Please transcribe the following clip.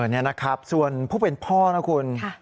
นี่นะครับส่วนผู้เป็นพ่อนะคุณ